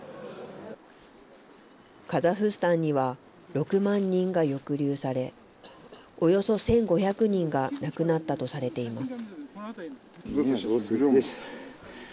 カザフスタンには６万人が抑留され、およそ１５００人が亡くなったとされています。